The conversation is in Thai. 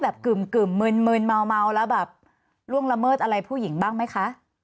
กึ่มมืนเมาแล้วแบบล่วงละเมิดอะไรผู้หญิงบ้างไหมคะ